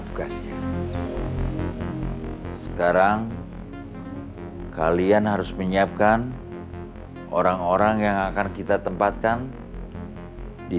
tugasnya sekarang kalian harus menyiapkan orang orang yang akan kita tempatkan di